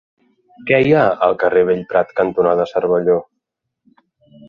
Què hi ha al carrer Bellprat cantonada Cervelló?